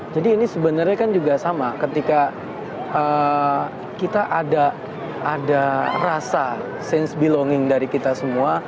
jadi ini sebenarnya kan juga sama ketika kita ada rasa sense belonging dari kita semua